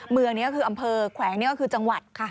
เมืองนี้คืออำเภอแขวงนี่ก็คือจังหวัดค่ะ